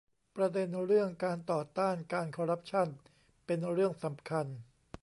ประเด็นเรื่องการต่อต้านการคอร์รัปชั่นเป็นเรื่องสำคัญ